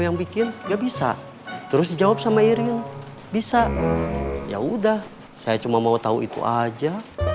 yang bikin gak bisa terus dijawab sama iril bisa ya udah saya cuma mau tahu itu aja